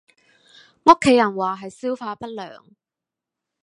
屋企人話係消化不良